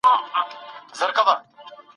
پوکي د سا اخیستلو لپاره اړین دي.